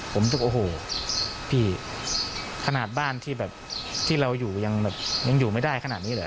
ผมบอกโอ้โหพี่ขนาดบ้านที่แบบที่เราอยู่ยังแบบยังอยู่ไม่ได้ขนาดนี้เหรอ